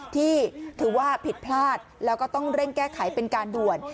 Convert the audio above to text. ที่ถือว่าผิดพลาดแล้วก็ต้องเร่งแก้ไขเป็นการด่วน